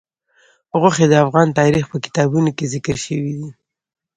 غوښې د افغان تاریخ په کتابونو کې ذکر شوي دي.